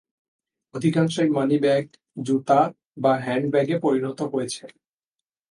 অধিকাংশই মানিব্যাগ, জুতা বা হ্যান্ডব্যাগে পরিণত হয়েছে।